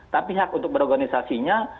tapi hak untuk berorganisasinya